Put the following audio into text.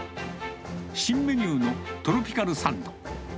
新メニューのトロピカルサンド。